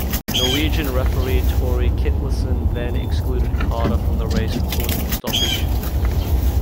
Norwegian referee Torrie Kittlesen then excluded Carter from the race for causing the stoppage.